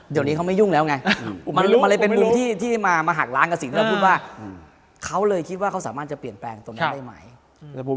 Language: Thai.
เดี๋ยวนี้เขาไม่ยุ่งแล้วไงมันเป็นมุมที่มาหักล้างกับสิทธิ์เราพูดว่าแล้วเขาเลยคิดว่าเขาสามารถตรงนี้ต้องเปลี่ยนแปลงได้ไหม